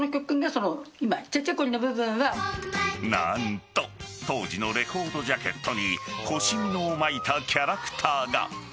何と当時のレコードジャケットに腰みのを巻いたキャラクターが。